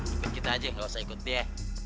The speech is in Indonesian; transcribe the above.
ikut kita aja lu tak usah ikut dia